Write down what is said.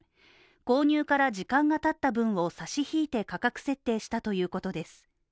購入から時間が経った分を差し引いて価格設定したということです。